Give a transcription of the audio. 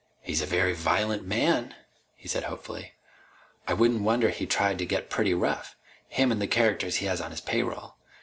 "He's a very violent man," he said hopefully. "I wouldn't wonder he tried to get pretty rough him and the characters he has on his payroll.